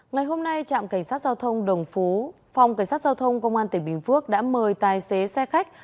ngày hôm nay trạm cảnh sát giao thông đồng phú phòng cảnh sát giao thông công an tỉnh bình phước đã mời tài xế xe khách